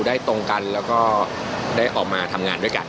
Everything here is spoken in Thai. ตรงกันแล้วก็ได้ออกมาทำงานด้วยกัน